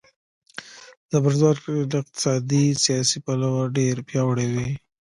زبرځواک له اقتصادي، سیاسي پلوه ډېر پیاوړي وي.